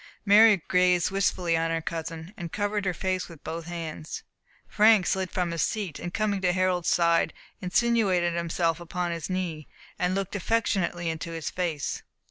Mary gazed wistfully on her cousin, and covered her face with both hands. Frank slid from his seat, and coming to Harold's side, insinuated himself upon his knee, and looked affectionately into his face.